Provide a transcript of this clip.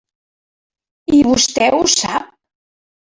I vostè ho sap.